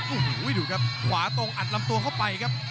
โอ้โหดูครับขวาตรงอัดลำตัวเข้าไปครับ